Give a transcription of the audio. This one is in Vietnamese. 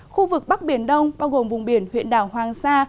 khu vực bắc biển đông bao gồm vùng biển huyện đảo hoàng sa